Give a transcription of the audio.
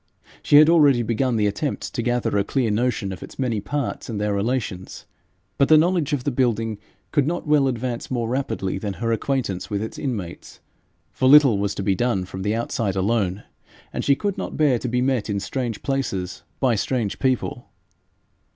She had already begun the attempt to gather a clear notion of its many parts and their relations, but the knowledge of the building could not well advance more rapidly than her acquaintance with its inmates, for little was to be done from the outside alone, and she could not bear to be met in strange places by strange people.